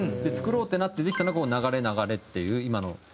作ろうってなってできたのが「流れ流れ」っていう今の。